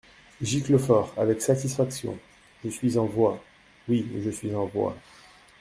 Giclefort, avec satisfaction. — Je suis en voix ! oui, je suis en voix.